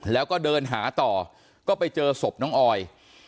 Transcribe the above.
แล้วก็เดินหาต่อก็ไปเจอศพน้องออย